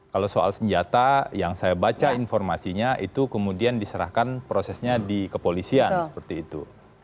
kalau soal senjata yang saya baca informasinya itu kemudian diserahkan prosesnya di kepolisian seperti itu